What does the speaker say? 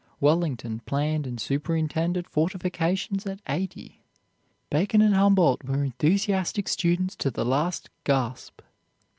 Wellington planned and superintended fortifications at eighty. Bacon and Humboldt were enthusiastic students to the last gasp.